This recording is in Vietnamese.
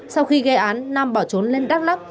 sau khi gây án nam bỏ trốn lên đắk lắc